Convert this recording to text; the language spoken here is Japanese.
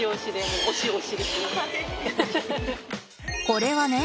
これはね